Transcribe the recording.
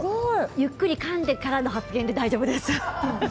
ゆっくりかんでからの発言で大丈夫です。